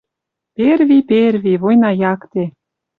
Перви, перви, война якте